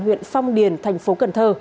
huyện phong điền thành phố cần thơ